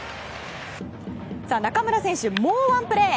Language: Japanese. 中村選手、もうワンプレー。